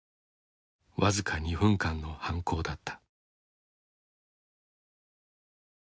僅か２分間の犯行だった。